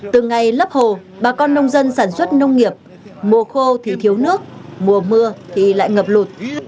từ ngày lấp hồ bà con nông dân sản xuất nông nghiệp mùa khô thì thiếu nước mùa mưa thì lại ngập lụt